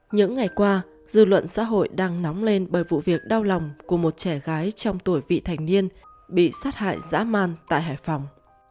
những ngày qua dư luận xã hội đang nóng lên bởi vụ việc đau lòng của một trẻ gái trong tuổi vị thành niên bị sát hại dã man tại hải phòng